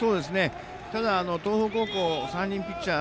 ただ東邦高校３人ピッチャー